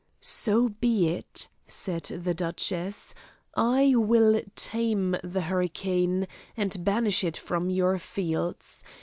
"So be it," said the duchess; "I will tame the hurricane, and banish it from your fields.